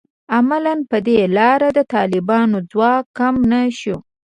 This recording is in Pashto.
عملاً په دې لاره د طالبانو ځواک کم نه شو